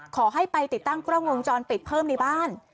ขอให้ไปติดตั้งกล้องวงจรปิดเพิ่มในบ้าน